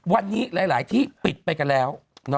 วันนี้หลายที่ปิดไปกันแล้ว